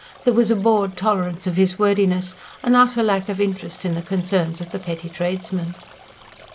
There was a bored tolerance of his wordiness, an utter lack of interest in the concerns of the petty tradesman.